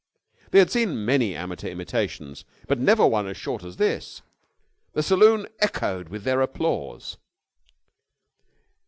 They had seen many amateur imitations, but never one as short as this. The saloon echoed with their applause.